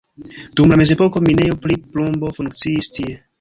Dum la mezepoko minejo pri plumbo funkciis tie.